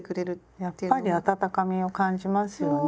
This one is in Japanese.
やっぱり温かみを感じますよね。